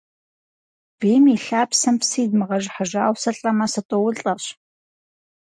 Бийм и лъапсэм псы идмыгъэжыхьыжауэ сылӀэмэ, сытӀоулӀэщ.